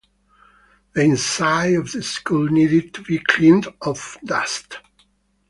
The inside of the school needed to be cleaned of dust.